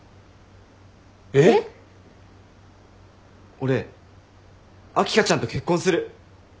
俺秋香ちゃんと結婚する。